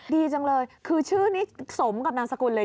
ดีจังเลยคือชื่อนี้สมกับนามสกุลเลย